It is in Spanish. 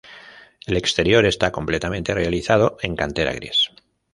El exterior esta completamente realizado en cantera gris.